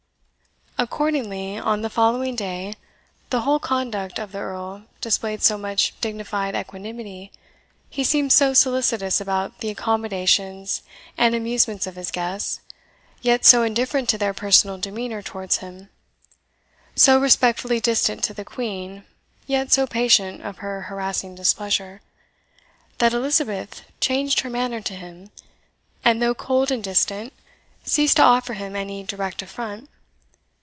Accordingly, on the following day the whole conduct of the Earl displayed so much dignified equanimity he seemed so solicitous about the accommodations and amusements of his guests, yet so indifferent to their personal demeanour towards him so respectfully distant to the Queen, yet so patient of her harassing displeasure that Elizabeth changed her manner to him, and, though cold and distant, ceased to offer him any direct affront.